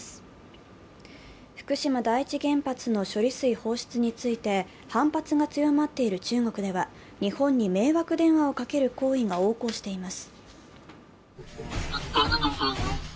福島第一原発の処理水放出について反発が強まっている中国では、日本に迷惑電話をかける行為が横行しています。